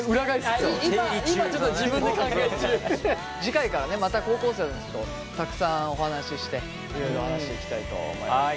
次回からねまた高校生たちとたくさんお話ししていろいろ話していきたいと思います。